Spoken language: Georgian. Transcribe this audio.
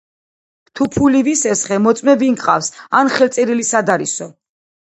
თუ ფული ვისესხე, მოწმე ვინ გყავს, ან ხელწერილი სად არისო